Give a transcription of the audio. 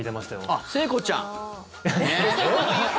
あっ、聖子ちゃん！